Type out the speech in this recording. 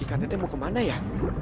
ikan itu mau kemana ya